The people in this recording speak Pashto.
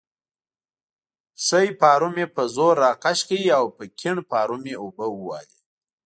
ښی پارو مې په زور راکش کړ او په کیڼ پارو مې اوبه ووهلې.